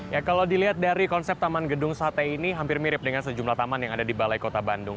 ya kalau dilihat dari konsep taman gedung sate ini hampir mirip dengan sejumlah taman yang ada di balai kota bandung